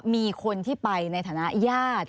มีคนที่ไปในฐานะญาติ